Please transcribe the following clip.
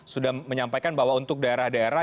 sudah menyampaikan bahwa untuk daerah daerah